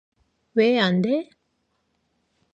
왜 안 돼?